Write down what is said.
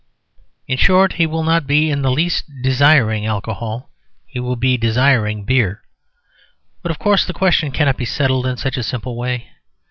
In short, he will not be in the least desiring alcohol; he will be desiring beer. But, of course, the question cannot be settled in such a simple way.